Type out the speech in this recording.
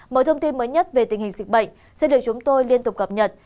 mọi thông tin mới nhất về tình hình dịch bệnh sẽ được chúng tôi liên tục cập nhật